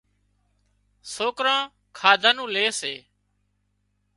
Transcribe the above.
سوڪران کاڌا نُون لي سي